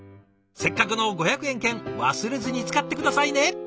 せっかくの５００円券忘れずに使って下さいね。